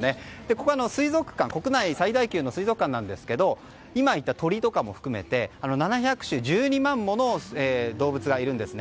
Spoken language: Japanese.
ここは国内最大級の水族館なんですが今、言った鳥とかも含めて７００種１２万もの動物がいるんですね。